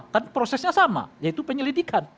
kan prosesnya sama yaitu penyelidikan